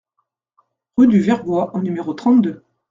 Rue du Vertbois au numéro trente-deux